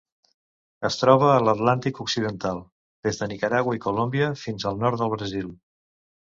Es troba a l'Atlàntic occidental: des de Nicaragua i Colòmbia fins al nord del Brasil.